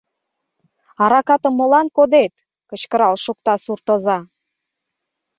— Аракатым молан кодет? — кычкырал шукта суртоза.